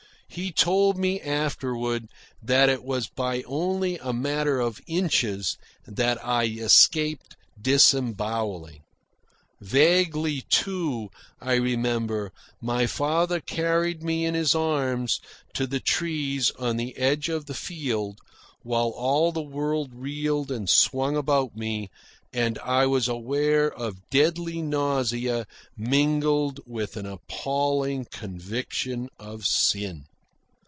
He told me afterward that it was by only a matter of inches that I escaped disembowelling. Vaguely, too, I remember, my father carried me in his arms to the trees on the edge of the field, while all the world reeled and swung about me, and I was aware of deadly nausea mingled with an appalling conviction of sin.